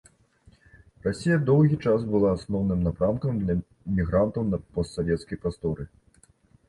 Расія доўгі час была асноўным напрамкам для мігрантаў на постсавецкай прасторы.